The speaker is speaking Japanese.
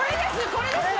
これです！